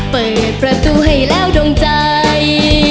เปิดประตูให้แล้วดงใจ